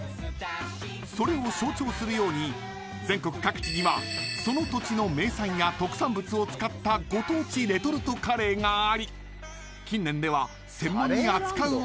［それを象徴するように全国各地にはその土地の名産や特産物を使ったご当地レトルトカレーがあり近年では専門に扱うお店もオープン］